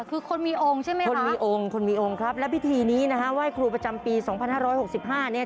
คือคนมีองค์ใช่ไหมครับคนมีองค์ครับและพิธีนี้นะครับไหว้ครูประจำปี๒๕๖๕เนี่ย